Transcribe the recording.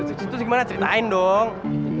rezeki itu gimana ceritain dong